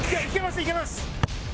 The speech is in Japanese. いけます！